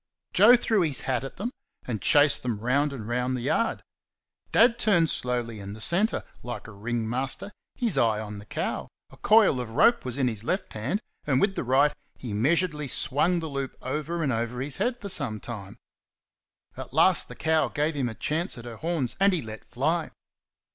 Joe threw his hat at them, and chased them round and round the yard. Dad turned slowly in the centre, like a ring master, his eye on the cow; a coil of rope was in this left hand, and with the right he measuredly swung the loop over and over his head for some time. At last the cow gave him a chance at her horns, and he let fly.